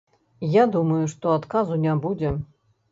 Я думаю, што адказу не будзе.